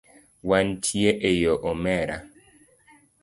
Wantie eyo omera.